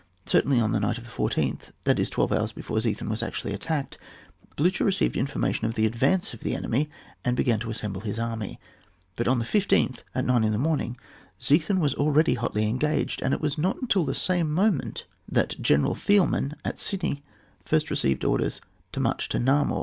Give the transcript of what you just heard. Certainly, on the night of the 14th, that is, twelve hours before Ziethen was actually attacked, Bltlcher received information of the advance of the enemy, and began to assemble his army; but on the 15th at nine in the morning, Ziethen was already hotly en gaged, and it was not until the same moment that General Thielman at Ciney first received orders to march to Namur.